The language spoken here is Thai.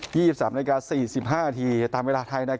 ๒๓นาฬิกา๔๕นาทีตามเวลาไทย